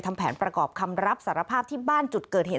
ทำแผนประกอบคำรับสารภาพที่บ้านจุดเกิดเหตุ